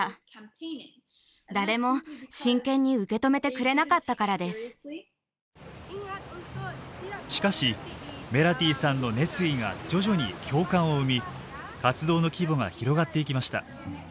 それこそしかしメラティさんの熱意が徐々に共感を生み活動の規模が広がっていきました。